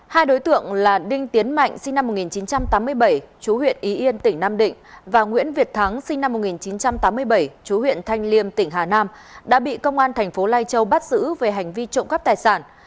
hai đối tượng là đinh tiến mạnh sinh năm một nghìn chín trăm tám mươi bảy chú huyện ý yên tỉnh nam định và nguyễn việt thắng sinh năm một nghìn chín trăm tám mươi bảy chú huyện thanh liêm tỉnh hà nam đã bị công an thành phố lai châu bắt giữ về hành vi trộm cắp tài sản